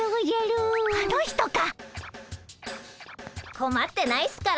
こまってないっすから。